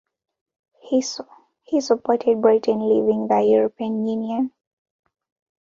He supported Britain leaving the European Union.